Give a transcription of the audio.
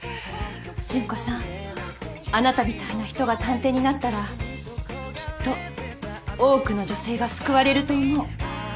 純子さんあなたみたいな人が探偵になったらきっと多くの女性が救われると思う。